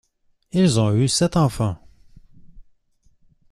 Ils ont eu sept enfants.